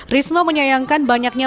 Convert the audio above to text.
bisa mengangkat derajat saya